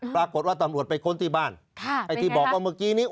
ปรากฏว่าตำรวจไปค้นที่บ้านไอ้ที่บอกว่าเมื่อกี้นี้